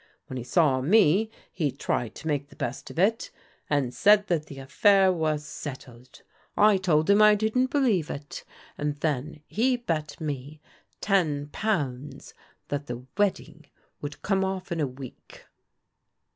When he saw me he tried to make the best of it, and said that the affair was settled. I told him I didn't believe it, and then he bet me ten pounds that the wedding wovdd come off in a week."